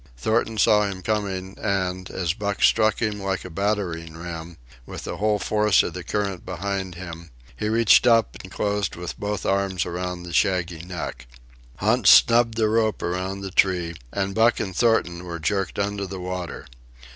Thornton saw him coming, and, as Buck struck him like a battering ram, with the whole force of the current behind him, he reached up and closed with both arms around the shaggy neck. Hans snubbed the rope around the tree, and Buck and Thornton were jerked under the water.